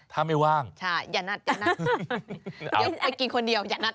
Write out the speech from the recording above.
ถ้าไม่ว่างอย่านัด